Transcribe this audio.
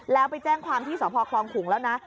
แล้วไปแจ้งความที่สพคลองขุงแล้วนะ